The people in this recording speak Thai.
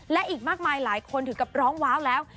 และอีกมากมายหลายคนถึงกับร้องว้าวแล้ว